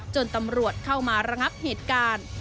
จนตำรวจเข้ามาระงับเหตุการณ์